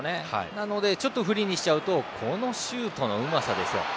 なのでフリーにしちゃうとこのシュートのうまさですよ。